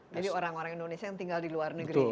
jadi orang orang indonesia yang tinggal di luar negeri